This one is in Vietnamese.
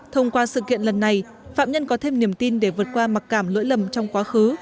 thông qua sự kiện lần này phạm nhân có thêm niềm tin để vượt qua mặc cảm lỗi lầm trong quá khứ